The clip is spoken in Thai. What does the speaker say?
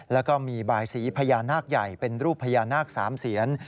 แล้วก็มีบายสีพญานาคใหญ่เป็นรูปพญานาค๓เสียน